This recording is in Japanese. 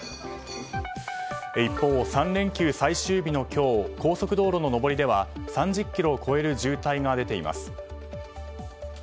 一方、３連休最終日の今日高速道路では３０ｋｍを超える渋滞が出ています。